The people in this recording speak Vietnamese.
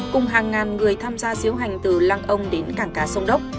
cùng hàng ngàn người tham gia diễu hành từ lăng ông đến cảng cá sông đốc